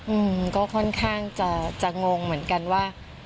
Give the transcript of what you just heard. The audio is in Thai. อืมก็ค่อนข้างจะจะงงเหมือนกันว่า